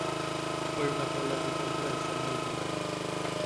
Foi unha polémica en prensa moi dura.